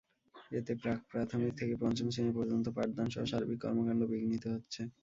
এতে প্রাক্-প্রাথমিক থেকে পঞ্চম শ্রেণি পর্যন্ত পাঠদানসহ সার্বিক কর্মকাণ্ড বিঘ্নিত হচ্ছে।